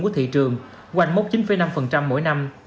của thị trường quanh mốc chín năm mỗi năm